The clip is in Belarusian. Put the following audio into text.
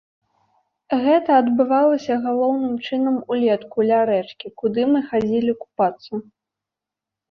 Гэта адбывалася галоўным чынам улетку ля рэчкі, куды мы хадзілі купацца.